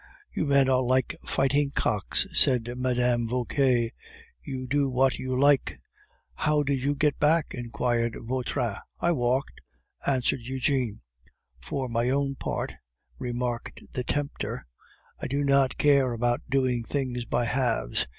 "You men are like fighting cocks," said Mme. Vauquer; "you do what you like." "How did you get back?" inquired Vautrin. "I walked," answered Eugene. "For my own part," remarked the tempter, "I do not care about doing things by halves.